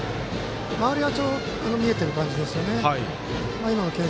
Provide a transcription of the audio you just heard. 周りが見えている感じですよね。